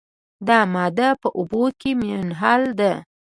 دا ماده په اوبو کې منحل ده.